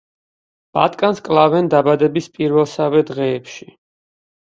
ბატკანს კლავენ დაბადების პირველსავე დღეებში.